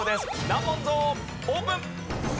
難問ゾーンオープン！